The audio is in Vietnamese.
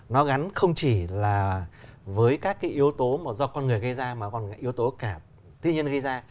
nó gắn không chỉ là với các cái yếu tố mà do con người gây ra mà còn yếu tố cả thiên nhiên gây ra